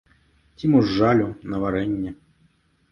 Ці мо з жалю, на варэнне.